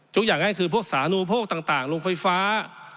ยกอย่างง่ายคือพวกสาธารณูโภคต่างโรงไฟฟ้า